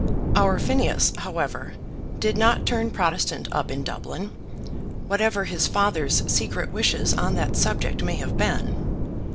Our Phineas, however, did not turn Protestant up in Dublin, whatever his father's secret wishes on that subject may have been.